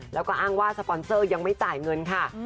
แล้วก็อ้างว่าสปอนเซอร์ยังไม่จ่ายเงินค่ะ